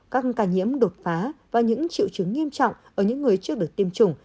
các ca nhiễm đột phá và những triệu chứng nghiêm trọng ở những người chưa được tiêm chủng